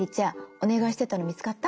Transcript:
お願いしてたの見つかった？